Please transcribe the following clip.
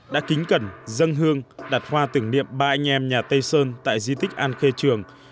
đã kính cẩn dân hương đặt hoa tưởng niệm ba anh em nhà tây sơn tại di tích an khê trường